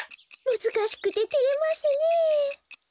むずかしくててれますねえ。